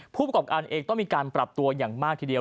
ผู้ประกอบการเองต้องมีการปรับตัวอย่างมากทีเดียว